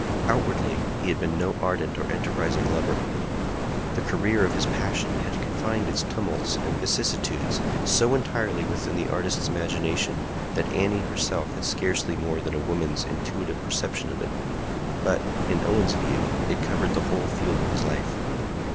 Outwardly he had been no ardent or enterprising lover; the career of his passion had confined its tumults and vicissitudes so entirely within the artist's imagination that Annie herself had scarcely more than a woman's intuitive perception of it; but, in Owen's view, it covered the whole field of his life.